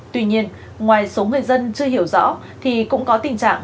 tuy nhiên ngoài số người dân chưa hiểu rõ thì cũng có tình trạng